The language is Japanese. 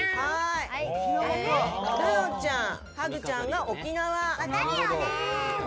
るのちゃん、ハグちゃんが沖縄。